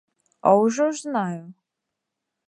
А ўжо ж знаю!